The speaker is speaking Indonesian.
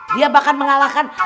dia bakal mengalahkan